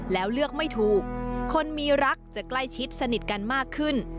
แล้วเลือกไม่ถูกคนมีรักจะใกล้ชิดสนิทกันมากขึ้น